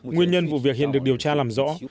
nguyên nhân vụ việc hiện được điều tra làm rõ